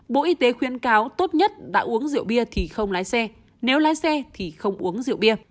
bộ y tế khuyến cáo tốt nhất đã uống rượu bia thì không lái xe nếu lái xe thì không uống rượu bia